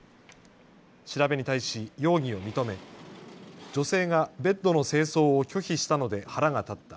調べに対し容疑を認め女性がベッドの清掃を拒否したので腹が立った。